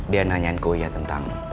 dia nanyain ke ya tentang